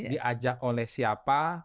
diajak oleh siapa